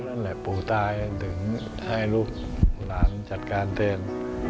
นั่นแหละปู่ตายถึงให้ลูกหลานจัดการแทน